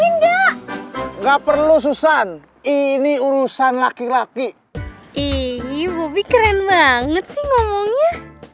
nggak perlu susan ini urusan laki laki ini bobby keren banget sih ngomongnya